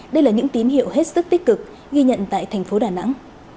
đây là những tín hiệu hết sức tích cực ghi nhận tại thành phố đà nẵng